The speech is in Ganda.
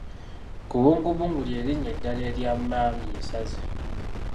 Kubungubungu ly'erinnya eddala erya mmambya esaze .